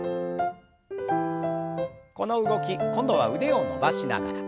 この動き今度は腕を伸ばしながら。